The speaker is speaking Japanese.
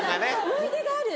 思い出がある。